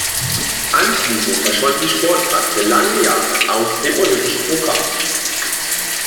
Anschließend verschwand die Sportart für lange Jahre aus dem olympischen Programm.